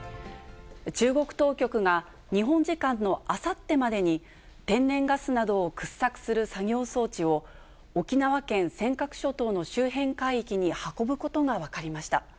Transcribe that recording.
中国当局が、日本時間のあさってまでに、天然ガスなどを掘削する作業装置を、沖縄県尖閣諸島の周辺海域に運ぶことが分かりました。